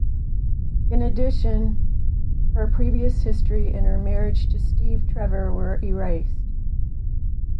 In addition, her previous history and her marriage to Steve Trevor were erased.